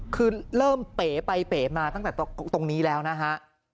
คือเริ่มเป๋ไปเป๋มาตั้งแต่ตรงนี้แล้วนะฮะ